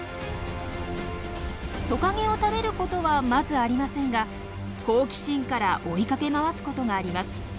トカゲを食べることはまずありませんが好奇心から追いかけ回すことがあります。